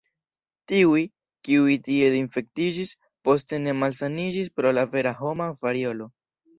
Tiuj, kiuj tiel infektiĝis, poste ne malsaniĝis pro la vera homa variolo.